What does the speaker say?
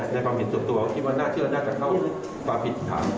ในความเห็นส่วนตัวว่าที่มันน่าเชื่อน่าจะเข้าปรากฏถามเช้าปุ่นได้